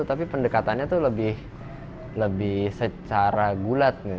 tapi pendekatannya tuh lebih secara gulat nih